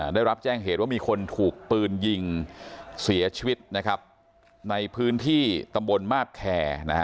ได้รับแจ้งเหตุว่ามีคนถูกปืนยิงเสียชีวิตนะครับในพื้นที่ตำบลมาบแคร์นะฮะ